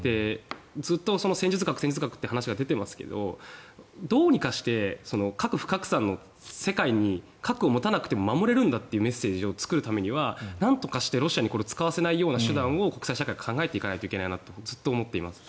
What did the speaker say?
ずっと戦術核って話が出てますけどどうにかして核不拡散の世界に核を持たなくても守れるんだというメッセージを作るためにはなんとかしてロシアに使わせないような手段を国際社会が考えていかないといけないなとずっと考えています。